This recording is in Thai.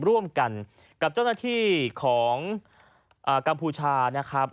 ร่วมกันกับเจ้าหน้าที่ของกัมพูชานะครับ